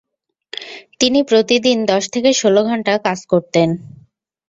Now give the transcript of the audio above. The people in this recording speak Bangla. তিনি প্রতিদিন দশ থেকে ষোল ঘণ্টা কাজ করতেন।